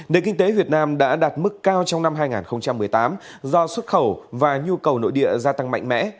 nền kinh tế việt nam đã đạt mức cao trong năm hai nghìn một mươi tám do xuất khẩu và nhu cầu nội địa gia tăng mạnh mẽ